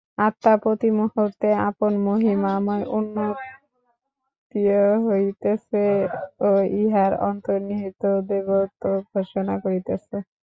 আত্মা প্রতি মুহূর্তে আপন মহিমায় উন্নীত হইতেছে ও ইহার অন্তর্নিহিত দেবত্ব ঘোষণা করিতেছে।